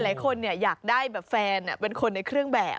หลายคนเนี่ยอยากได้แบบแฟนเนี่ยเป็นคนในเครื่องแบบ